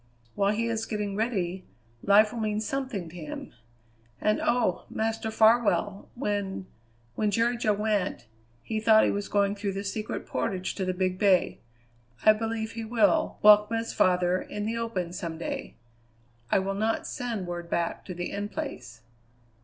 While he is getting ready, life will mean something to him. And oh! Master Farwell, when when Jerry Jo went, he thought he was going through the Secret Portage to the Big Bay. I believe he will welcome his father in the open some day. I will not send word back to the In Place."